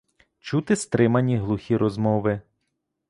Чути стримані глухі розмови.